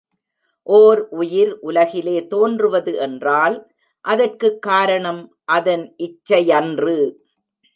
ஓர் உயிர் உலகிலே தோன்றுவது என்றால், அதற்குக் காரணம் அதன் இச்சையன்று.